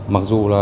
mặc dù là